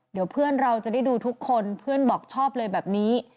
เดี๋ยวเพื่อนเราจะได้ดูทุกคนเพื่อนบอกชอบเลยแบบนี้